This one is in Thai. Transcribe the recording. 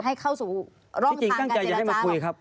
ให้เข้าสู่ร่องทางการเจรจาหรอที่จริงตั้งใจอย่าให้มาคุยครับ